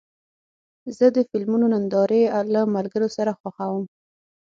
زه د فلمونو نندارې له ملګرو سره خوښوم.